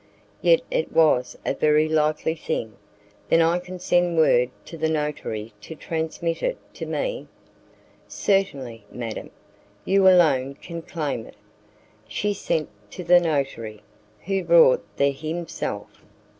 "Yet it was a very likely thing. Then I can send word to the notary to transmit it to me?" "Certainly, madam; you alone can claim it." She sent to the notary, who brought the note himself.